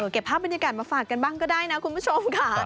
เก็บภาพบรรยากาศมาฝากกันบ้างก็ได้นะคุณผู้ชมค่ะ